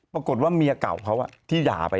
ปรากฏว่าเมียเก่าเขาที่ด่าไป